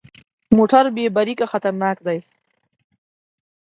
موټر بې بریکه خطرناک دی.